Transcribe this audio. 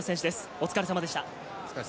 お疲れ様でした。